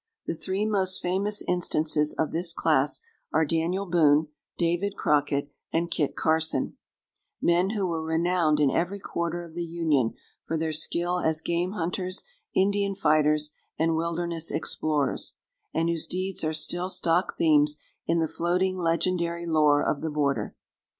The three most famous instances of this class are Daniel Boone, David Crockett, and Kit Carson: men who were renowned in every quarter of the Union for their skill as game hunters, Indian fighters, and wilderness explorers, and whose deeds are still stock themes in the floating legendary lore of the border.